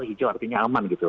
hijau artinya aman gitu